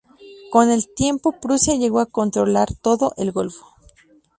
Con el tiempo Prusia llegó a controlar todo el golfo.